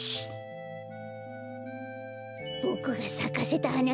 ボクがさかせたはな